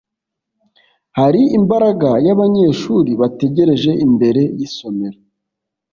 hari imbaga yabanyeshuri bategereje imbere yisomero